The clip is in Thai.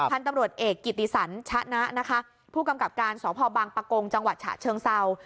พันธุ์ตำรวจเอกกิติสันชนะนะคะผู้กำกับการสพบังปะโกงจังหวัดฉะเชิงเศร้า